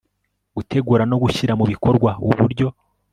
gutegura no gushyira mu bikorwa uburyo